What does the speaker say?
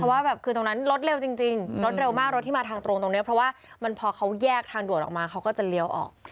เพราะว่าตรงนั้นรถเร็วจริงรถเร็วมากรถที่มาตรงนี้พอเขาแยกทางด่วนออกมาเขาก็จะเลี้ยวออก